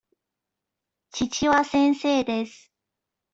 父は先生です。